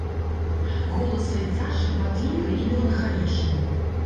Голас айца шапатлівы і меланхалічны.